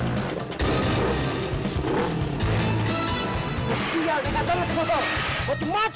buat apa apa saja nih bush